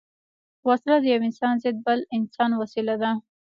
وسله د یو انسان ضد بل انسان وسيله ده